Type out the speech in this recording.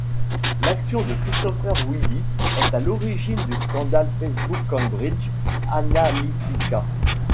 L'action de Christopher Wylie est à l'origine du scandale Facebook-Cambridge Analytica.